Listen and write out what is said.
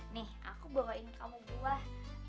nih aku bawa ini kamu buah